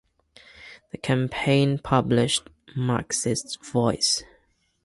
The campaign published "Marxist Voice".